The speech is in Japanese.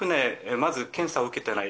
まず、検査を受けていない